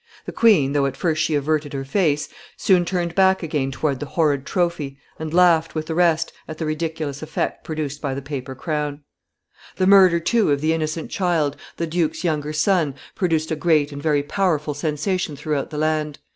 The queen, though at first she averted her face, soon turned back again toward the horrid trophy, and laughed, with the rest, at the ridiculous effect produced by the paper crown. [Sidenote: The country shocked.] [Sidenote: Margaret's ferocity.] The murder, too, of the innocent child, the duke's younger son, produced a great and very powerful sensation throughout the land.